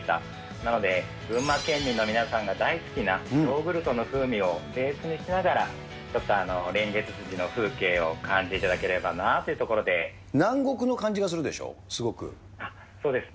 なので群馬県民の皆さんが大好きなヨーグルトの風味をベースにしながら、ちょっとレンゲツツジの風景を感じていただければなというところ南国の感じがするでしょ、そうですね。